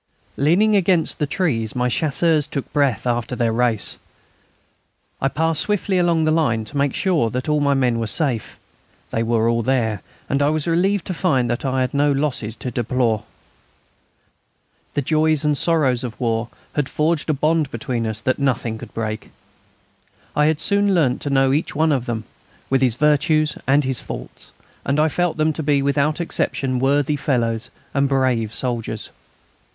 Leaning against the trees, my Chasseurs took breath after their race. I passed swiftly along the line to make sure that all my men were safe. They were all there, and I was relieved to find that I had no losses to deplore. The joys and sorrows of war had forged a bond between us that nothing could break. I had soon learnt to know each one of them, with his virtues and his faults, and I felt them to be, without exception, worthy fellows and brave soldiers.